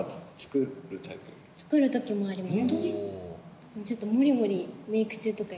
作るときもあります。